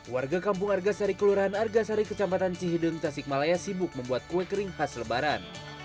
warga kampung argasari kelurahan argasari kecamatan cihideng tasikmalaya sibuk membuat kue kering khas lebaran